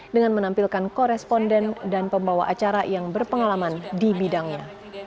dengan menampilkan koresponden dan pembawa acara yang berpengalaman di bidangnya